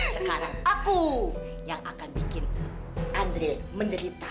sekarang aku yang akan bikin andre menderita